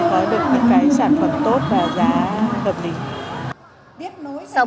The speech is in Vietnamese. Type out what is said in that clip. có được những sản phẩm tốt và giá hợp định